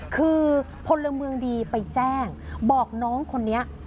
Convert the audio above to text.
คือพลเมืองดีไปแจ้งบอกน้องคนนี้